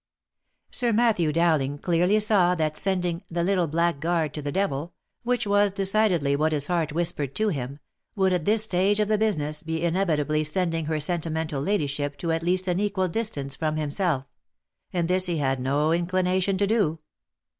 Sir Matthew Dowling clearly saw, that sending " the little black guard to the devil," which was decidedly what his heart whispered to him, would, at this stage of the business, be inevitably sending her sentimental ladyship to at least an equal distance from himself; and this he had no inclination to do.